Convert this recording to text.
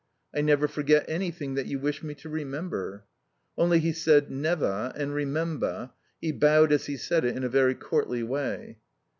"I never forget anything that you wish me to remember." (Only he said "nevah" and "remembah"; he bowed as he said it in a very courtly way.)